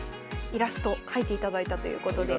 イラスト描いていただいたということで。